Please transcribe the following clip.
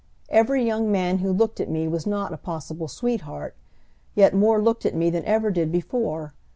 Every young man who looked at me was not a possible sweetheart, yet more looked at me than ever did before.